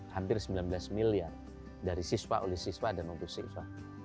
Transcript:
hampir sembilan belas miliar dari siswa oleh siswa dan untuk siswa